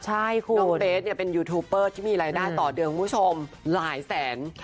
น้องเบ๊สเป็นยูทูปเปอร์ที่มีรายได้ต่อเดือนคุณผู้ชมหลายแสน